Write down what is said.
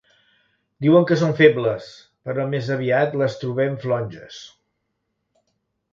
Diuen que són febles, però més aviat les trobem flonges.